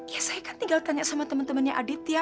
ya saya kan tinggal tanya sama temen temennya aditya